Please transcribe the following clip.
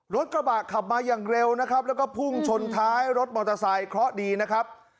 รถกระบะขับมาอย่างเร็วนะครับแล้วก็พุ่งชนท้ายรถมอเตอร์ไซค์เคราะห์ดีนะครับ